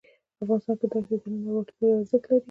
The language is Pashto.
افغانستان کې دښتې د نن او راتلونکي لپاره ارزښت لري.